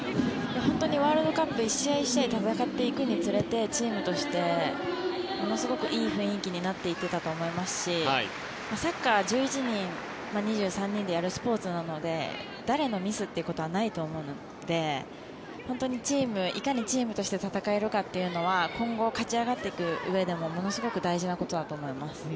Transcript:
本当にワールドカップ１試合１試合戦っていくにつれてチームとしてものすごくいい雰囲気になっていっていたと思いますしサッカーは１１人２３人でやるスポーツなので誰のミスということはないと思うので本当にいかにチームとして戦えるかというのは今後、勝ち上がっていくうえでもすごく大事なことだと思います。